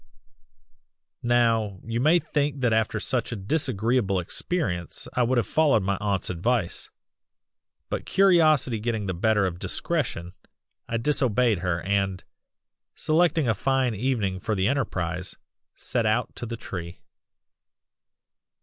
"Now you might think that after such a disagreeable experience I would have followed my aunt's advice, but curiosity getting the better of discretion I disobeyed her and, selecting a fine evening for the enterprise, set out to the tree.